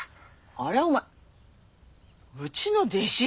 ありゃお前うちの弟子筋だよ？